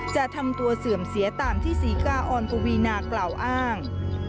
จะทำตัวเสื่อมเสียตามที่ศรีกาออนปวีนากล่าวอ้าง